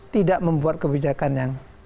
tidak membuat kebijakan yang